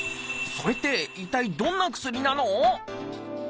それって一体どんな薬なの？